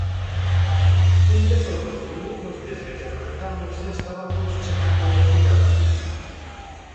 En dez ou doce minutos desde que arrancamos xa estabamos chegando ao hospital.